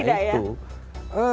sebenarnya tidak ya